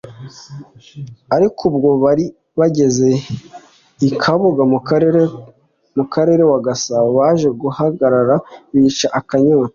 ariko ubwo bari bageze i Kabuga mu karere wa Gasabo baje guhagarara bica akanyota